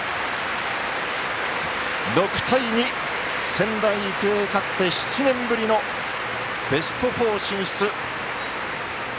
６対２、仙台育英勝って７年ぶりのベスト４進出。